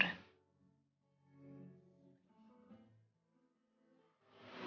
tidak ada yang mau ngapa ngapa